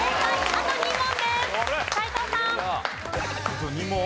あと２問？